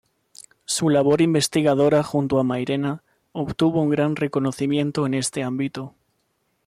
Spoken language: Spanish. Su labor investigadora junto a Mairena obtuvo un gran reconocimiento en este ámbito.